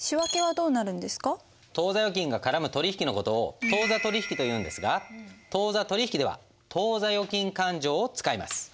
当座預金が絡む取引の事を当座取引というんですが当座取引では当座預金勘定を使います。